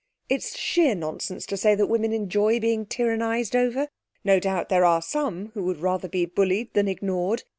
It is sheer nonsense to say that women enjoy being tyrannised over. No doubt there are some who would rather be bullied than ignored.